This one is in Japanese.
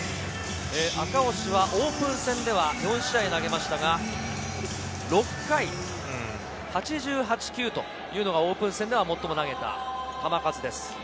赤星はオープン戦では４試合投げましたが、６回、８８球というのがオープン戦でもっとも投げた球数です。